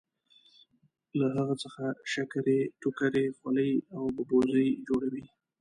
له هغه څخه شکرۍ ټوکرۍ خولۍ او ببوزي جوړوي.